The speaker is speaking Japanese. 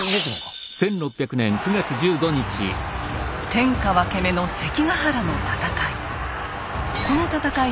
天下分け目の関ヶ原の戦い。